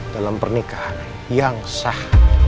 dalam pernikahan yang sah